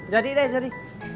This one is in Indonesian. jadi deh jadi